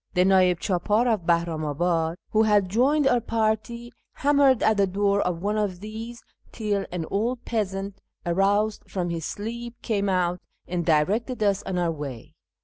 The nd'ih chApdr of Bahri'imiibi'id, who had joined our party, hammered at the door of one of these till an old peasant, aroused from his sleep, came out, and directed us on our way.